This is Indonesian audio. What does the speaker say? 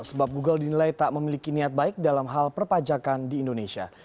sebab google dinilai tak memiliki niat baik dalam hal perpajakan di indonesia